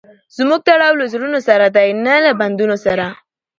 زموږ تړاو له زړونو سره دئ؛ نه له بدنونو سره.